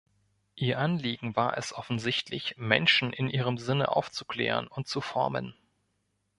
Ihr Anliegen war es offensichtlich, Menschen in ihrem Sinne „aufzuklären“ und zu „formen“.